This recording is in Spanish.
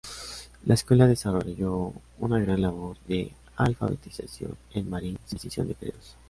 La escuela desarrolló una gran labor de alfabetización en Marín sin distinción de credos.